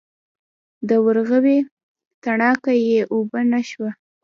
د ورغوي تڼاکه یې اوبه نه شوه.